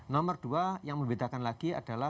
nomor dua yang membedakan lagi adalah